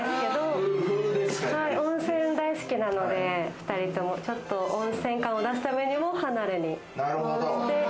温泉大好きなので２人とも。ちょっと温泉感を出すためにも離れに。